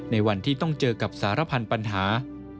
ในวันที่ต้องเจอกับสารพันธุ์ปัญหา